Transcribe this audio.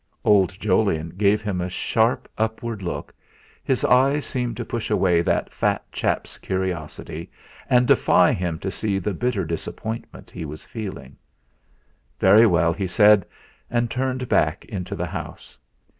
Old Jolyon gave him a sharp upward look, his eyes seemed to push away that fat chap's curiosity, and defy him to see the bitter disappointment he was feeling. "Very well," he said, and turned back into the house.